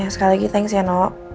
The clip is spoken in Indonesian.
sekali lagi thanks ya no